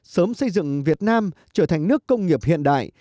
sớm xây dựng việt nam trở thành nước công nghiệp hiện đại